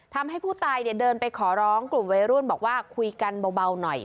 ทำให้ผู้ตายเนี่ยเดินไปขอร้องกลุ่มวัยรุ่นบอกว่าคุยกันเบาหน่อย